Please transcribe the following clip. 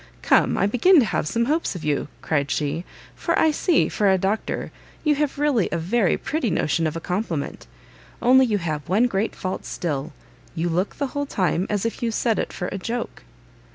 "Come, I begin to have some hopes of you," cried she, "for I see, for a Doctor, you have really a very pretty notion of a compliment: only you have one great fault still; you look the whole time as if you said it for a joke."